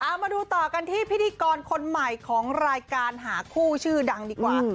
เอามาดูต่อกันที่พิธีกรคนใหม่ของรายการหาคู่ชื่อดังดีกว่า